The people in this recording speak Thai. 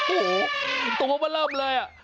โอ้โหตรงนี้มันเริ่มเลย